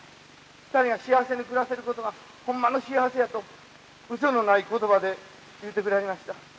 ２人が幸せに暮らせることがホンマの幸せや」とうそのない言葉で言うてくれはりました。